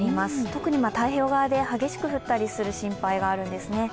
特に太平洋側で激しく降ったりする心配があるんですね。